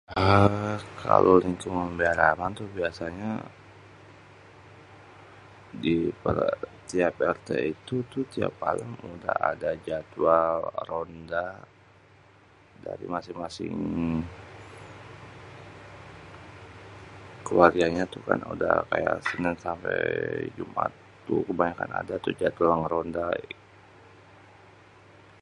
uhm kalo lingkungan biar aman tuh biasanya, di tiap rt itu tuh tiap malém udah ada jadwal ronda dari masing-masing keluarganya tu kan uda dari sénén sampé jumat kebanyakan ada tuh jadwal ngeronda..